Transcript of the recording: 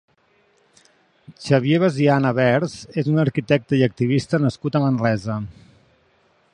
Xavier Basiana Vers és un arquitecte i activista nascut a Manresa.